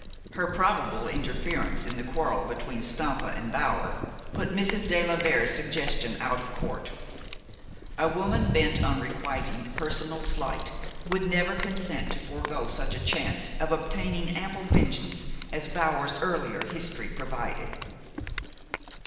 Her probable interference in the quarrel between Stampa and Bower put Mrs. de la Vere's suggestion out of court. A woman bent on requiting a personal slight would never consent to forego such a chance of obtaining ample vengeance as Bower's earlier history provided.